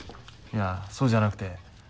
いやそうじゃなくて。